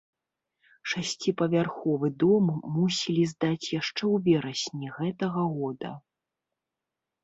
Шасціпавярховы дом мусілі здаць яшчэ ў верасні гэтага года.